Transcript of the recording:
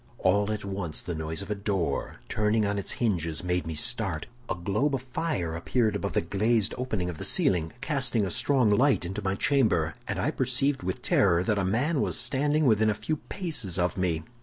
"All at once the noise of a door, turning on its hinges, made me start. A globe of fire appeared above the glazed opening of the ceiling, casting a strong light into my chamber; and I perceived with terror that a man was standing within a few paces of me.